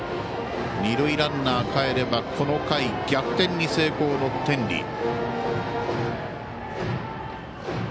二塁ランナーかえればこの回、逆転に成功の天理。